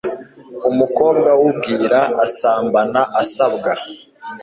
umukobwa w'ubwira asambana asabwa